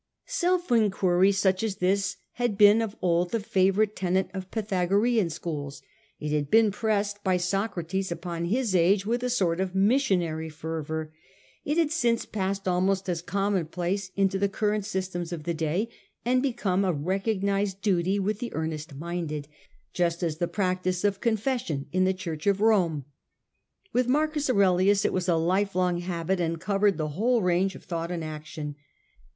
Self enquiry such as this had been of old the favourite tenet of Pythagorean schools, it had been pressed by Socrates upon his age with a sort of missionary fervour, it had since passed almost as a commonplace into the current systems of the day, and become a recognised duty with the earnest minded, just as the practice of con fession in the Church of Rome. With M. Aurelius it was a lifelong habit, and covered the whole range of Medit. V. thought and action.